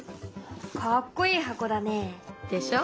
かっこいい箱だね。でしょ。